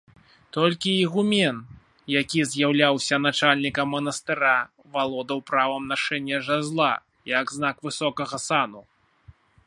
Толькі ігумен, які з'яўляўся начальнікам манастыра, валодаў правам нашэння жазла, як знак высокага сану.